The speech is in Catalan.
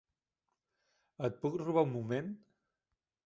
Et puc robar un moment?